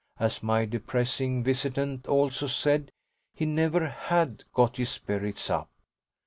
As my depressing visitant also said, he never HAD got his spirits up.